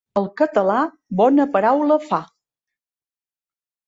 El català bona paraula fa.